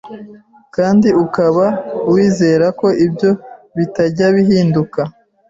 kandi ukaba wizera ko ibyo bitajya bihinduka